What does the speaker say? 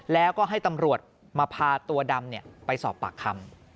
แล้วก็ให้ตำรวจมาพาตัวดำไปสอบปากคำ